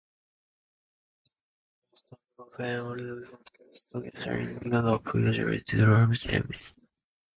The couple often performed concerts together in Europe, usually to rave reviews.